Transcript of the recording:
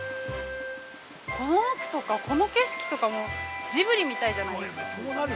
この木とかこの景色とかジブリみたいじゃないですか。